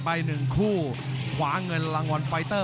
แก้วสำฤิษฐ์